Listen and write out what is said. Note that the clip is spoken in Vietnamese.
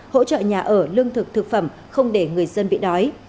hỗ trợ nhà ở lương thực thực phẩm không để người dân bị đói